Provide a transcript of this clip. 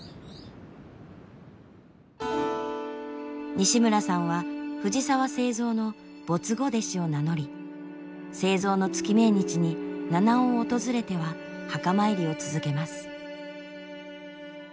西村さんは藤澤造の「歿後弟子」を名乗り造の月命日に七尾を訪れては墓参りを続けます。